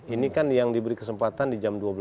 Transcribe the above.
ini kan yang diberi kesempatan di jam dua belas